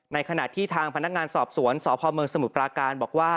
ในขณะที่ทางพนักงานสอบสวนสพเมืองสมุทรปราการบอกว่า